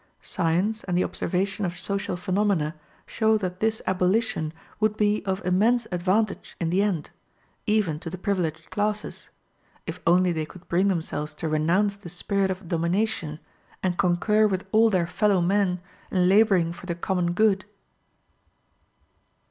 Science and the observation of social phenomena show that this abolition would be of immense advantage in the end, even to the privileged classes, if only they could bring themselves to renounce the spirit of domination, and concur with all their fellow men in laboring for the common good.